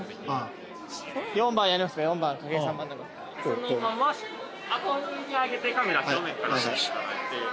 このまま上に上げてカメラ正面。